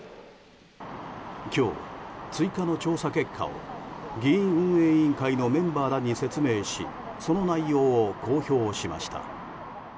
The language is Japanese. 今日、追加の調査結果を議院運営委員会のメンバーらに説明しその内容を公表しました。